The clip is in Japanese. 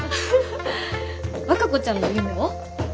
和歌子ちゃんの夢は？